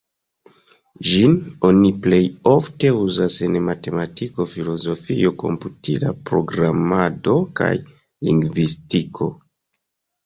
Ĝin oni plej ofte uzas en matematiko, filozofio, komputila programado, kaj lingvistiko.